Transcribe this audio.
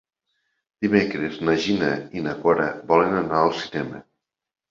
Dimecres na Gina i na Cora volen anar al cinema.